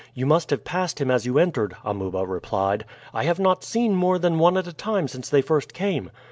You must have passed him as you entered," Amuba replied. "I have not seen more than one at a time since they first came."